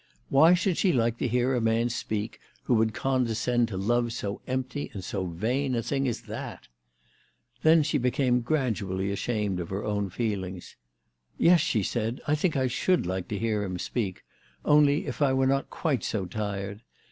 Why should she like to hear a man speak who could conde scend to love so empty and so vain a thing as that ? Then she became gradually ashamed of her own feel ings. "Yes," she said; "I think I should like to hear him speak ; only if I were not quite so tired.